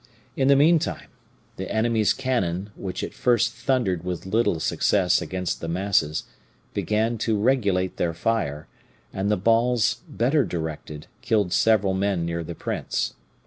In the meantime the enemy's cannon, which at first thundered with little success against the masses, began to regulate their fire, and the balls, better directed, killed several men near the prince.